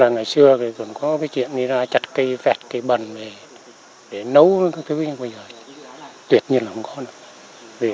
ngày xưa dù có chuyện đi ra chặt cây vẹt cây bần để nấu tuyệt nhiên là không có nữa